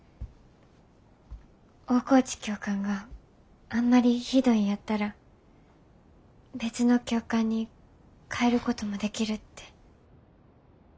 大河内教官があんまりひどいんやったら別の教官に替えることもできるって。